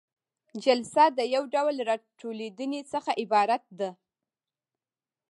جلسه د یو ډول راټولیدنې څخه عبارت ده.